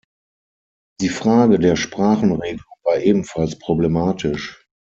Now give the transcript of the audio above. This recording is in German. Die Frage der Sprachenregelung war ebenfalls problematisch.